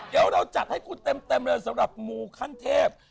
เดี๋ยวเราจัดให้คุณเต็มเลยสำหรับมูขั้นเทพ